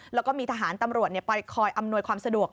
แล้วก็มีทหารตำรวจไปคอยอำนวยความสะดวก